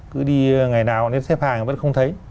cứ đi ngày nào họ đến xếp hàng họ vẫn không thấy